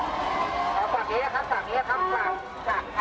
วิทยาลัยเมริกาวิทยาลัยเมริกา